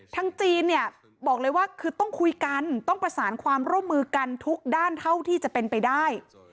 จีนเนี่ยบอกเลยว่าคือต้องคุยกันต้องประสานความร่วมมือกันทุกด้านเท่าที่จะเป็นไปได้